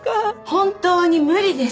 本当に無理です！